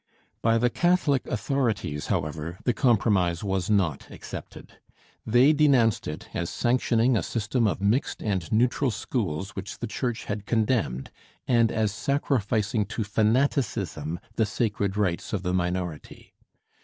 By the Catholic authorities, however, the compromise was not accepted. They denounced it as sanctioning a system of mixed and neutral schools which the Church had condemned, and as sacrificing to fanaticism the sacred rights of the minority.